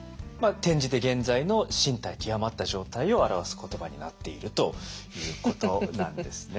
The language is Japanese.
転じて現在の進退窮まった状態を表す言葉になっているということなんですね。